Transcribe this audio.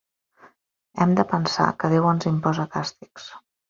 Hem de pensar que Déu ens imposa càstigs.